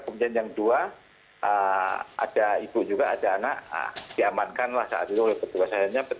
kemudian yang dua ada ibu juga ada anak diamankanlah saat itu oleh petugas